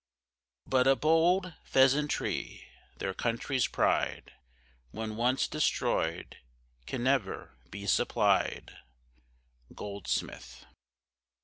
But a bold pheasantry, their country's pride When once destroyed can never be supplied. GOLDSMITH.